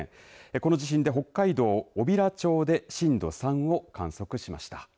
この地震で北海道小平町で震度３を観測しました。